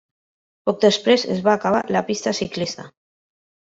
Poc després es va acabar la pista ciclista.